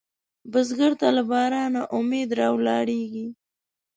بزګر ته له بارانه امید راولاړېږي